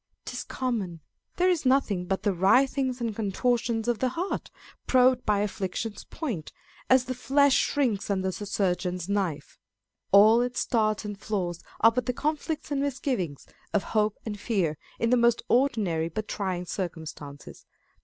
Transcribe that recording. " 'Tis common." There is nothing but the writhings and contortions of the heart, probed by affliction's point, as the flesh shrinks under the surgeon's knife. All its starts and flaws are but the conflicts and misgivings of hope and fear, in the most ordinary but trying circum stances.